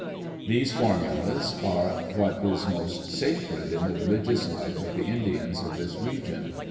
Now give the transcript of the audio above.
These formulas are what is most sacred in the religious life of the Indians of this region.